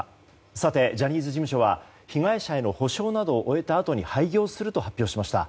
さて、ジャニーズ事務所は被害者への補償などを終えたあとに廃業すると発表しました。